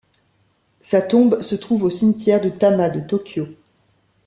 Sa tombe se trouve au cimetière de Tama de Tokyo.